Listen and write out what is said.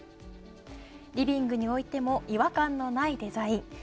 リビングにおいても違和感のないデザイン。